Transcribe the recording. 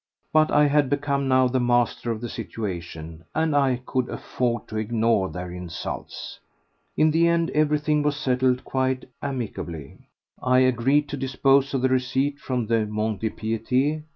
But I had become now the master of the situation and I could afford to ignore their insults. In the end everything was settled quite amicably. I agreed to dispose of the receipt from the Mont de Piété to M.